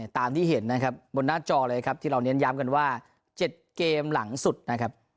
ตามที่เห็นนะครับบนหน้าจอเลยครับที่เราเน้นย้ำกันว่า๗เกมหลังสุดนะครับ